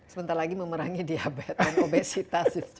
sebentar lagi memerangi diabetes dan obesitas